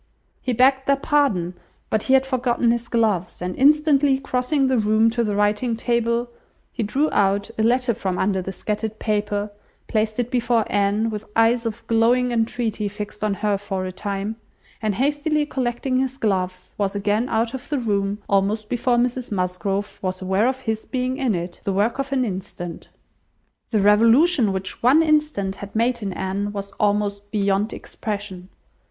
He begged their pardon, but he had forgotten his gloves, and instantly crossing the room to the writing table, he drew out a letter from under the scattered paper, placed it before Anne with eyes of glowing entreaty fixed on her for a time, and hastily collecting his gloves, was again out of the room, almost before Mrs Musgrove was aware of his being in it: the work of an instant! The revolution which one instant had made in Anne, was almost beyond expression.